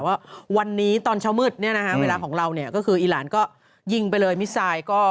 ว่าวันนี้ตอนเช้ามืดนี่นะครับเวลาของเราก็คืออีรานก็ยิงไปเลยมิสไซล์